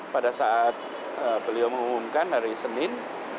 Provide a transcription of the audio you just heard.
pada saat beliau mengumumkan hari senin